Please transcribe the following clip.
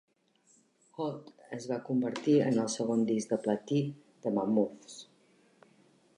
"Hot" es va convertir en el segon disc de platí de "Mammoth's".